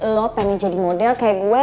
lob pengen jadi model kayak gue